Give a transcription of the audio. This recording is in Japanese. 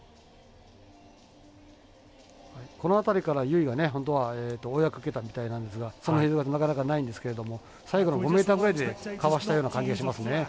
この辺りから由井が本当は追い上げかけたみたいんなんですがその映像だとなかなかないんですけども最後の５ｍぐらいでかわしたような感じがしますね。